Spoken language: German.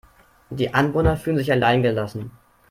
Die Anwohner fühlen sich allein gelassen.